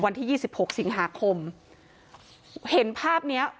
วันที่ยี่สิบหกสิงหาคมเห็นภาพเนี้ย